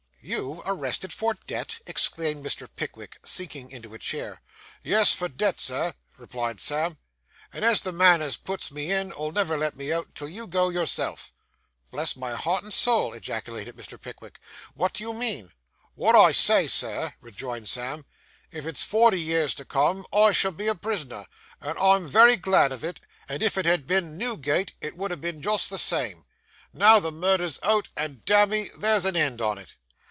'You arrested for debt!' exclaimed Mr. Pickwick, sinking into a chair. 'Yes, for debt, Sir,' replied Sam. 'And the man as puts me in, 'ull never let me out till you go yourself.' 'Bless my heart and soul!' ejaculated Mr. Pickwick. 'What do you mean?' 'Wot I say, Sir,' rejoined Sam. 'If it's forty years to come, I shall be a prisoner, and I'm very glad on it; and if it had been Newgate, it would ha' been just the same. Now the murder's out, and, damme, there's an end on it!